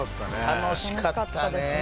楽しかったですね。